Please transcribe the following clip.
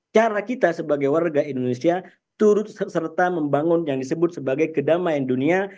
cara kita sebagai warga indonesia turut serta membangun yang disebut sebagai kedamaian dunia